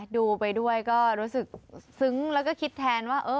ดูไปด้วยก็รู้สึกซึ้งแล้วก็คิดแทนว่า